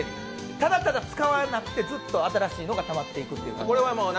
ただただ使わなくて、ずっと新しいのがたまっていくと。